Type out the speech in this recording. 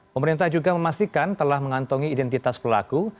pemerintah juga memastikan telah mengantongi identitas pelaku